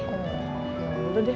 oh udah deh